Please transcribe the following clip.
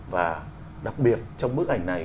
và đặc biệt trong bức ảnh này